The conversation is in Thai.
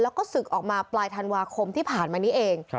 แล้วก็ศึกออกมาปลายธันวาคมที่ผ่านมานี้เอง